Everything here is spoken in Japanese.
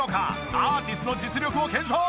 アーティスの実力を検証！